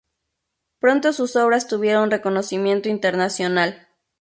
Pronto sus obras tuvieron reconocimiento internacional.